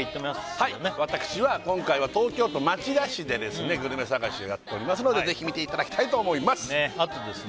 はい私は今回は東京都町田市でグルメ探しをやっておりますのでぜひ見ていただきたいと思いますあとですね